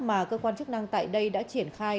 mà cơ quan chức năng tại đây đã triển khai